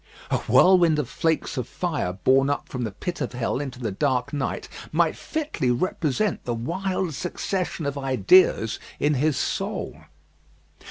A whirlwind of flakes of fire borne up from the pit of hell into the dark night, might fitly represent the wild succession of ideas in his soul.